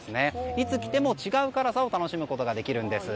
いつ来ても違う辛さを楽しむことができるんです。